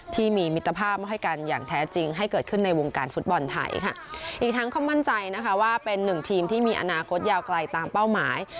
มิตรภาพมาให้กันอย่างแท้จริงให้เกิดขึ้นในวงการฟุตบอลไทยค่ะอีกทั้งเขามั่นใจนะคะว่าเป็นหนึ่งทีมที่มีอนาคตยาวไกลตามเป้าหมาย